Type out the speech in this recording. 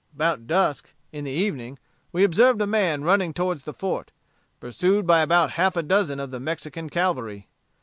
About dusk, in the evening, we observed a man running toward the fort, pursued by about half a dozen of the Mexican cavalry.